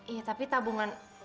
iya tapi tabungan